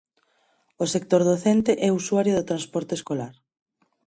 O sector docente é usuario do transporte escolar.